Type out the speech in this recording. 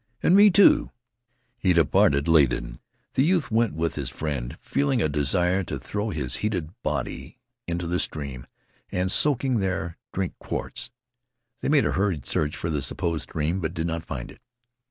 "And me, too." He departed, ladened. The youth went with his friend, feeling a desire to throw his heated body onto the stream and, soaking there, drink quarts. They made a hurried search for the supposed stream, but did not find it.